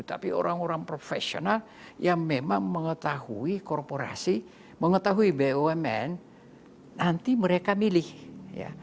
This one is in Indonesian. tapi orang orang profesional yang memang mengetahui korporasi mengetahui bumn nanti mereka milih ya